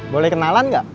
boleh kenalan gak